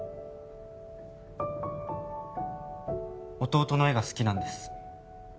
弟の絵が好きなんです